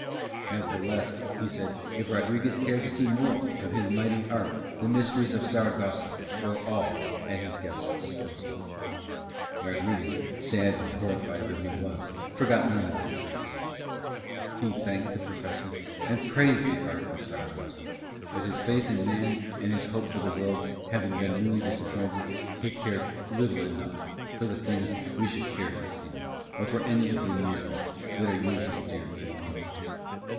Nevertheless, he said, if Rodriguez cared to see more of his mighty art the mysteries of Saragossa were all at his guest's disposal. Rodriguez, sad and horrified though he was, forgot none of his courtesy. He thanked the Professor and praised the art of Saragossa, but his faith in man and his hope for the world having been newly disappointed, he cared little enough for the things we should care to see or for any of the amusements that are usually dear to youth.